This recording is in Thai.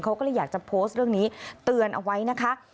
เขาก็เลยอยากจะโพสต์เรื่องนี้เตือนเอาไว้นะคะ